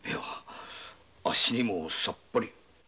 あっしにもさっぱり。